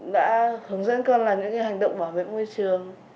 đã hướng dẫn con là những hành động bảo vệ môi trường